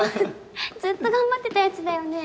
ずっと頑張ってたやつだよね？